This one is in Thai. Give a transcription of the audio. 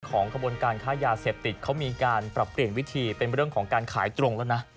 ขบวนการค้ายาเสพติดเขามีการปรับเปลี่ยนวิธีเป็นเรื่องของการขายตรงแล้วนะ